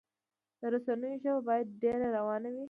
د رسنیو ژبه باید ډیره روانه وي.